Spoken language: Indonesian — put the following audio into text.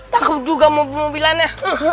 takut juga mobil mobilannya